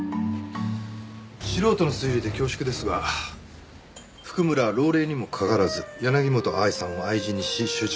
素人の推理で恐縮ですが譜久村は老齢にもかかわらず柳本愛さんを愛人にし執着していた。